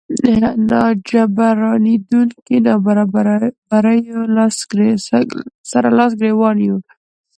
ناجبرانېدونکو نابرابريو سره لاس ګریوان يو.